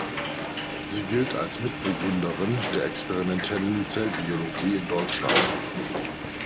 Sie gilt als Mitbegründerin der experimentellen Zellbiologie in Deutschland.